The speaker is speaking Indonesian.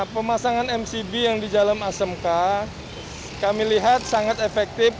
pemasangan mcb yang di dalam asmk kami lihat sangat efektif